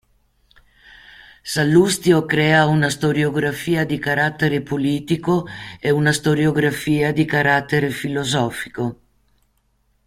Sallustio crea una storiografia di carattere politico e una storiografia di carattere filosofico.